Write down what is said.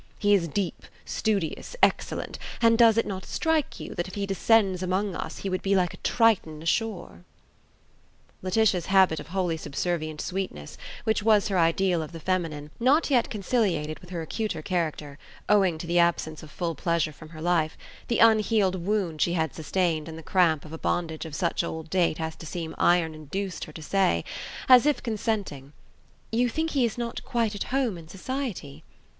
He is deep, studious, excellent; and does it not strike you that if he descended among us he would be like a Triton ashore?" Laetitia's habit of wholly subservient sweetness, which was her ideal of the feminine, not yet conciliated with her acuter character, owing to the absence of full pleasure from her life the unhealed wound she had sustained and the cramp of a bondage of such old date as to seem iron induced her to say, as if consenting: "You think he is not quite at home in society?"